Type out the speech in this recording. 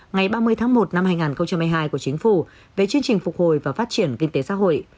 ngày ba mươi tháng một năm hai nghìn hai mươi hai của chính phủ về chương trình phục hồi và phát triển kinh tế xã hội